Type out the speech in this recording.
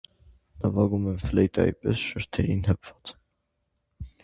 Նվագում են ֆլեյտայի պես շրթերին հպած։